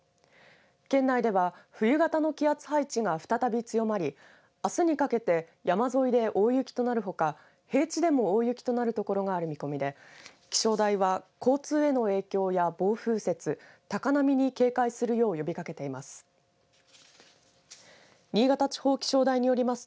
県内では冬型の気圧配置が再び強まりあすにかけて山沿いで大雪となるほか平地でも大雪となる所がある見込みで気象台は交通への影響や暴風雪高波に警戒するよう呼びかけています。